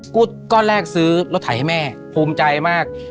ก้อนแรกซื้อรถไถให้แม่ภูมิใจมาก